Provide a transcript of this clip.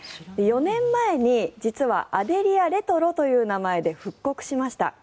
４年前に実はアデリアレトロという名前で復刻しました。